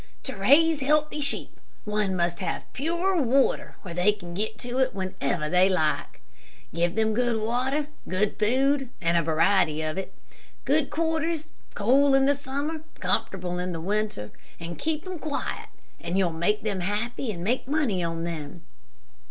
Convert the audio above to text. "To raise healthy sheep one must have pure water where they can get to it whenever they like. Give them good water, good food, and a variety of it, good quarters cool in summer, comfortable in winter, and keep them quiet, and you'll make them happy and make money on them."